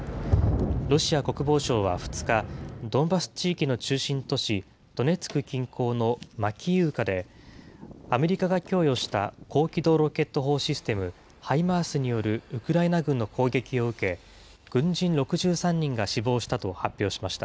ロシア国防省は２日、ドンバス地域の中心都市、ドネツク近郊のマキイウカで、アメリカが供与した高機動ロケット砲システム・ハイマースによるウクライナ軍の攻撃を受け、軍人６３人が死亡したと発表しました。